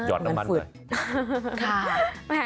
โอ้โหเหยาะน้ำมัน